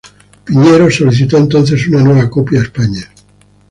Piñero solicitó entonces una nueva copia a España.